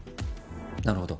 なるほど。